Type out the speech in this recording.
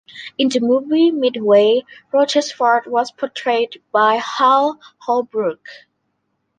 In the movie "Midway", Rochefort was portrayed by Hal Holbrook.